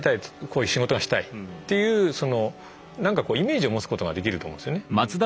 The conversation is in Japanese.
こういう仕事がしたいっていうなんかイメージを持つことができると思うんですよね。